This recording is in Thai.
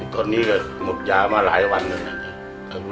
ตอนนี้ก็หมดยามาหลายวันเลยนะ